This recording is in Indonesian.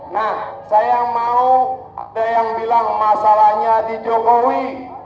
nah saya mau ada yang bilang masalahnya di jokowi